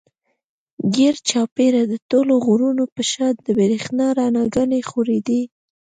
ګېر چاپېره د ټولو غرونو پۀ شا د برېښنا رڼاګانې خورېدې